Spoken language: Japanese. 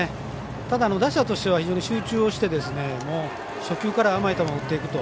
ただ、打者としては非常に集中して初球から甘い球を打っていくと。